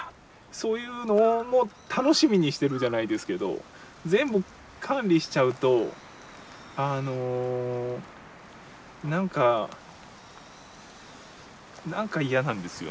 そういうのをも楽しみにしてるじゃないですけど全部管理しちゃうと何か何か嫌なんですよね。